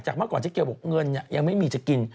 เมื่อก่อนเจ๊เกียวบอกเงินยังไม่มีจะกิน